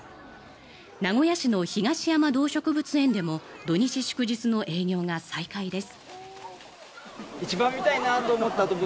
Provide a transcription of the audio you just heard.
名古屋市の東山動植物園でも土日祝日の営業が再開です。